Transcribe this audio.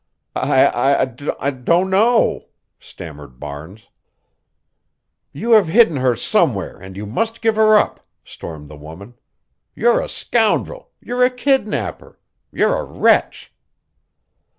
"I I I d d don't know," stammered Barnes. "You have hidden her somewhere and you must give her up," stormed the woman. "You're a scoundrel you're a kidnapper you're a wretch."